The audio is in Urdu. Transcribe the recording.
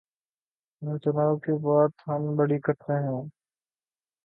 انقلا ب کی بات ہم بڑی کرتے ہیں۔